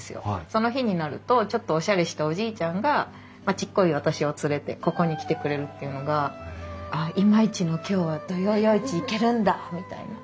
その日になるとちょっとおしゃれしたおじいちゃんがちっこい私を連れてここに来てくれるっていうのが「ああ今日は土曜夜市行けるんだ」みたいな。